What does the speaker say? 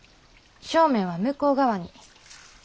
正面は向こう側に。